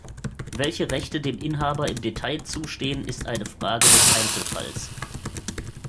Welche Rechte dem Inhaber im Detail zustehen ist eine Frage des Einzelfalls.